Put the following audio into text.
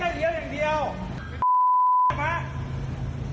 ไม่ใช่ไฟเลี้ยวอย่างเดียว